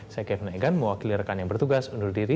saya kevin egan mewakili rekan yang bertugas undur diri